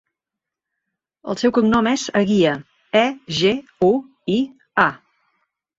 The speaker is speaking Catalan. El seu cognom és Eguia: e, ge, u, i, a.